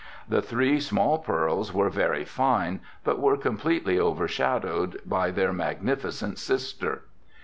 The three small pearls were very fine, but were completely overshadowed by their magnificent sister.